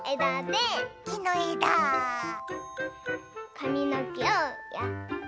かみのけをやって。